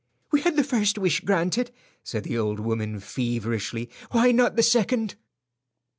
"We had the first wish granted," said the old woman, feverishly; "why not the second?"